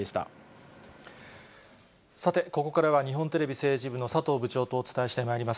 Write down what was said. さて、ここからは、日本テレビ政治部の佐藤部長とお伝えしてまいります。